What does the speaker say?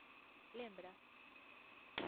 ¿Lembra?